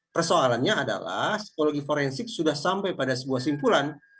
persoalannya adalah psikologi forensik sudah sampai pada sebuah simpulan